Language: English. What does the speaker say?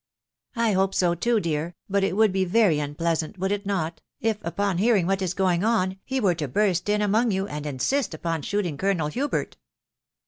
" I hope so, too, dear. But it would be very unpleasant, would it not? if, upon hearing what is going on, he were to burst in among you, and insist upon shooting Colonel Hubert